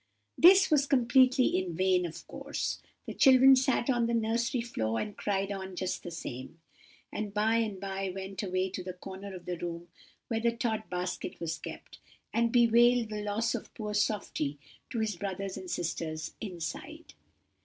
"This was completely in vain, of course. The children sat on the nursery floor and cried on just the same; and by and by went away to the corner of the room where the Tod basket was kept, and bewailed the loss of poor 'Softy' to his brothers and sisters inside.